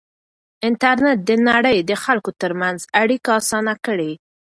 انټرنېټ د نړۍ د خلکو ترمنځ اړیکه اسانه کړې.